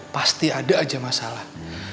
pasti ada aja masalah